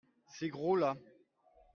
Ces gros-là.